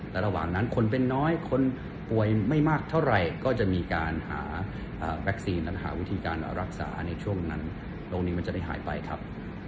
แต่ระหว่างนั้นคนเป็นน้อยคนป่วยไม่มากเท่าไหร่ก็จะมีการหาวัคซีนนั้นหาวิธีการรักษาในช่วงนั้นโรคนี้มันจะได้หายไปครับ